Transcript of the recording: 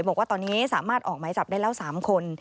บอกว่าตอนนี้สามารถออกหมายจับได้แล้ว๓คน